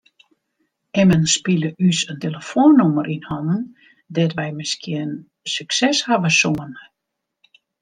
Immen spile ús in telefoannûmer yn hannen dêr't wy miskien sukses hawwe soene.